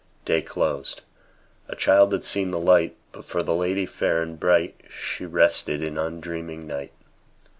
Day closed; a child had seen the light; But, for the lady fair and bright, She rested in undreaming night.